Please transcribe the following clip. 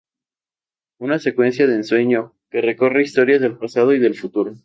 Una secuencia de ensueño que recorre historias del pasado y del futuro".